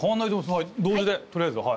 はい同時でとりあえずはい。